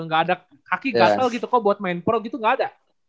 gak ada kaki gasel gitu koko buat main pro gitu gak ada